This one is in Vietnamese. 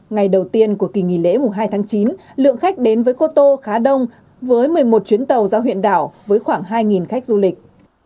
ngày đầu tiên của kỳ nghỉ lễ hai tháng chín lượng khách đến với cô tô khá đông với một mươi một chuyến tàu ra huyện đảo với khoảng hai khách du lịch